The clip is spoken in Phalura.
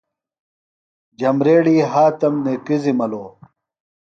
جھمبریڑیۡ ہاتم نِکرزِیۡ ملو